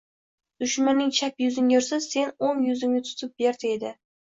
Dushmaning chap yuzingga ursa, sen... o‘ng yuzingni tutib ber, deydi.